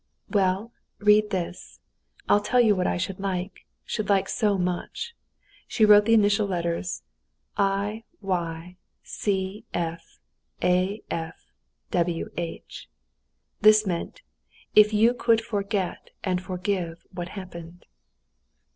"Well, read this. I'll tell you what I should like—should like so much!" she wrote the initial letters, i, y, c, f, a, f, w, h. This meant, "If you could forget and forgive what happened."